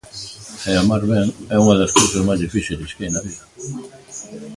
E amar ben é unha das cousas máis difíciles que hai na vida.